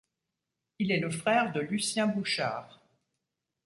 Il est le frère de Lucien Bouchard.